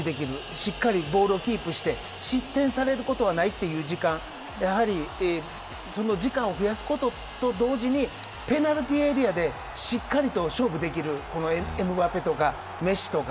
しっかりボールをキープして失点されることはないという時間その時間を増やすことと同時にペナルティーエリアでしっかりと勝負できるこのエムバペとかメッシとか。